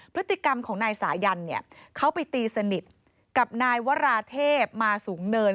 พฤติกรรมของนายสายันเนี่ยเขาไปตีสนิทกับนายวราเทพมาสูงเนิน